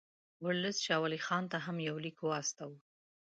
ورلسټ شاه ولي خان ته هم یو لیک واستاوه.